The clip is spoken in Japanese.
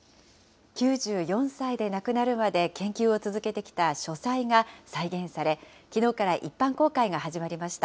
９４歳で亡くなるまで研究を続けてきた書斎が再現され、きのうから一般公開が始まりました。